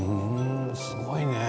すごいね。